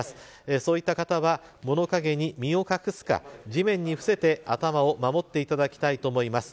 そういった方は物陰に身を隠すか、地面に伏せて頭を守っていただきたいと思います。